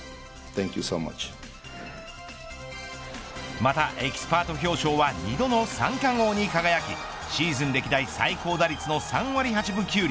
また、エキスパート表彰は２度の三冠王に輝きシーズン歴代最高打率の３割８分９厘。